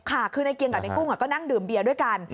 ค่ะคือในเกียงกับในกุ้งก็นั่งดื่มเบียร์ด้วยกัน